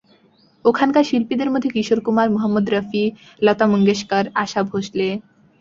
ওখানকার শিল্পীদের মধ্যে কিশোর কুমার, মোহাম্মদ রফি, লতা মুঙ্গেশকর, আশা ভোঁশলে।